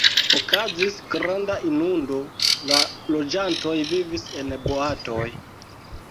Okazis granda inundo, la loĝantoj vivis en boatoj.